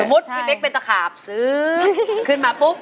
มุติพี่เป๊กเป็นตะขาบซื้อขึ้นมาปุ๊บ